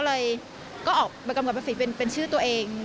เลยก็ออกมากำกับภาษีเป็นชื่อตัวเอง